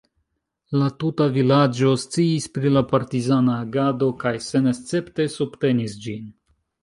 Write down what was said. La tuta vilaĝo sciis pri la partizana agado kaj senescepte subtenis ĝin.